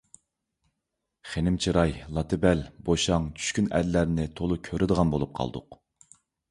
خېنىم چىراي، لاتا بەل، بوشاڭ، چۈشكۈن ئەرلەرنى تولا كۆرىدىغان بولۇپ قالدۇق.